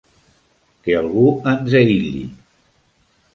Què algú ens aïllí!